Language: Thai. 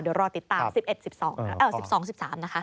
เดี๋ยวรอติดตาม๑๒๑๓นะคะ